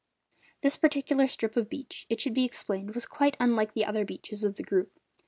This particular strip of beach, it should be explained, was quite unlike the other beaches of the group.